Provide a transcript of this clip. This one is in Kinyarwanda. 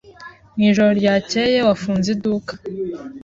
Mwijoro ryakeye wafunze iduka?